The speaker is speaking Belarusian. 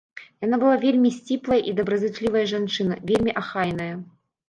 Яна была вельмі сціплая і добразычлівая жанчына, вельмі ахайная.